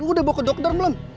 gue udah bawa ke dokter belum